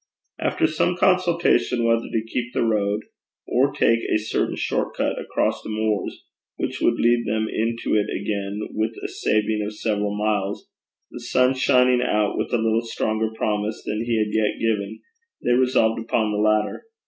After some consultation whether to keep the road or take a certain short cut across the moors, which would lead them into it again with a saving of several miles, the sun shining out with a little stronger promise than he had yet given, they resolved upon the latter.